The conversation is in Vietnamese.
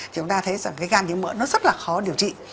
thì chúng ta thấy rằng cái gan nhiễm mỡ nó rất là khó điều trị